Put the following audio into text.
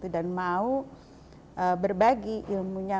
dan mau berbagi ilmunya